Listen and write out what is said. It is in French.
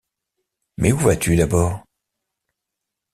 Mais où vas-tu d'abord?